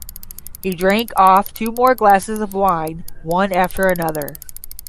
He drank off two more glasses of wine, one after another.